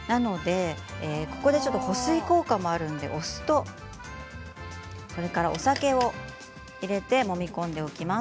ここで保水効果もあるのでお酢とお酒を入れてもみ込んでおきます。